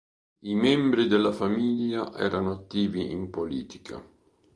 I membri della famiglia erano attivi in politica.